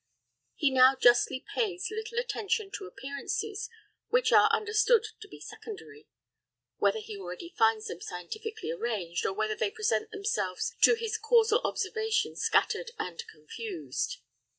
He now justly pays little attention to appearances which are understood to be secondary, whether he already finds them scientifically arranged, or whether they present themselves to his casual observation scattered and confused.